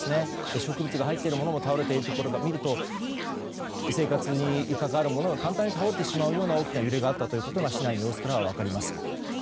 植物が入っているものが倒れているところを見ると生活に関わるものが簡単に倒れてしまうような大きな揺れがあったことが市内の様子からは分かります。